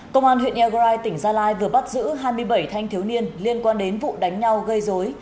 công an huyện earai tỉnh gia lai vừa bắt giữ hai mươi bảy thanh thiếu niên liên quan đến vụ đánh nhau gây dối